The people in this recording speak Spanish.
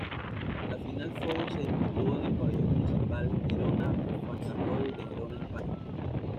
La final four se disputó en el Pabellón Municipal Gerona-Fontajau de Gerona, España.